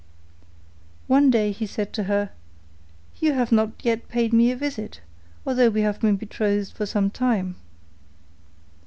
One day he said to her, 'You have not yet paid me a visit, although we have been betrothed for some time.